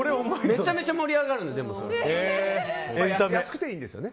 めちゃめちゃ盛り上がるんです。